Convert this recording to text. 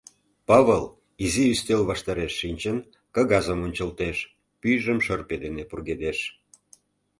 Павыл, изи ӱстел ваштареш шинчын, кагазым ончылтеш, пӱйжым шырпе дене пургедеш.